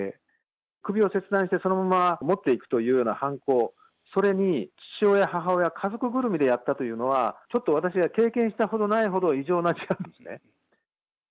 首を切断してそのまま持っていくというような犯行、それに父親、母親、家族ぐるみでやったというのは、ちょっと私が経験したことないほど異常な事案ですね。